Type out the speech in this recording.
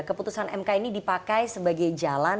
keputusan mk ini dipakai sebagai jalan